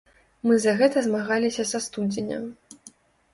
Мы за гэта змагаліся са студзеня.